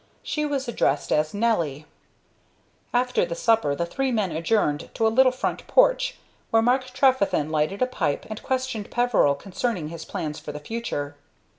She was addressed as "Nelly." After supper the three men adjourned to a little front porch, where Mark Trefethen lighted a pipe and questioned Peveril concerning his plans for the future.